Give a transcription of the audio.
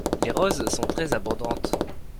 Les roses sont très abondantes.